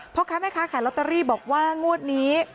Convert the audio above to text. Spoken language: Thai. พอคะแม่คะแห่ลต์ตารี่บอกว่างวดนี้